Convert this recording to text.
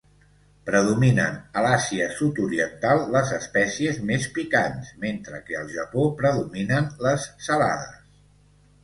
Predominen a l'Àsia sud-oriental les espècies més picants mentre que al Japó predominen les salades.